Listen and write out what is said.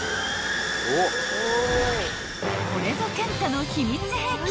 ［これぞケンタの秘密兵器］